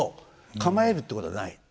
構えるってことはない。